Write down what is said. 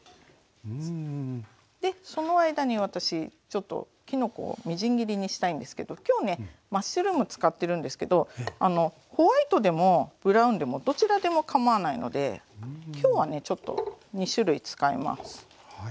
でその間に私ちょっときのこをみじん切りにしたいんですけど今日ねマッシュルーム使ってるんですけどホワイトでもブラウンでもどちらでもかまわないので今日はねちょっと２種類使います。